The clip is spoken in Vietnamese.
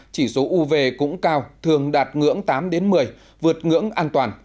chỉ số uv cũng cao thường đạt ngưỡng tám một mươi vượt ngưỡng an toàn